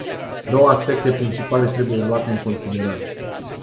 Două aspecte principale trebuie luate în considerare.